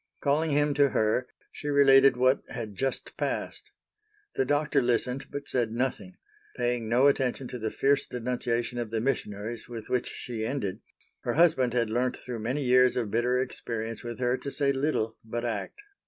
Calling him to her she related what had just passed. The Doctor listened, but said nothing; paying no attention to the fierce denunciation of the missionaries with which she ended; her husband had learnt through many years of bitter experience with her to say little but act.